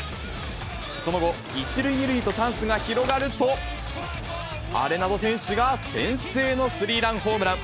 その後、１塁２塁とチャンスが広がると、アレナド選手が先制のスリーランホームラン。